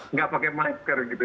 nggak pakai masker gitu